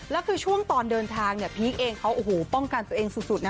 แล้วคือช่วงตอนเดินทางเนี่ยพีคเองเขาโอ้โหป้องกันตัวเองสุดนะ